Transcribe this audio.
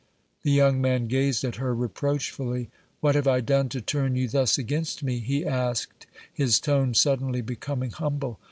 The young man gazed at her reproachfully. "What have I done to turn you thus against me?" he asked, his tone suddenly becoming humble.